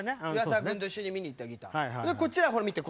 岩沢君と一緒に見に行ったギター。